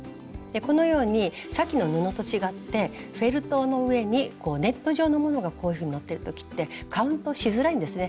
このようにさっきの布と違ってフェルトの上にネット状のものがこういうふうにのってる時ってカウントしづらいんですね。